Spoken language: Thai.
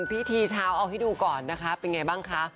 พี่ทีชาวให้ดูก่อนนะคะเป็นอย่างไรบ้างคะ